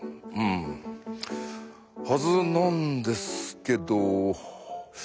うんはずなんですけど。